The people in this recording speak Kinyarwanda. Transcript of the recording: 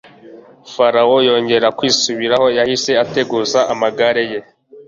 farawo yongeye kwisubiraho yahise ateguza amagare ye